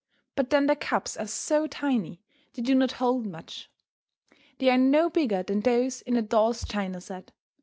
But then the cups are so tiny they do not hold much. They are no bigger than those in a doll's china set.